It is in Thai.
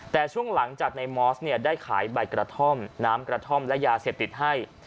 แต่ช่วงหลังจากในมอสเนี่ยได้ขายใบกระท่อมน้ำกระท่อมและยาเสพติดให้